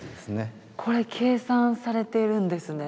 これ計算されているんですね。